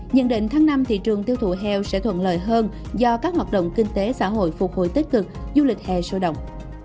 nhận định tháng năm thị trường tiêu thụ heo sẽ thuận lợi hơn do các hoạt động kinh tế xã hội phục hồi tích cực du lịch hè sôi động